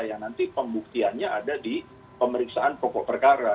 yang nanti pembuktiannya ada di pemeriksaan pokok perkara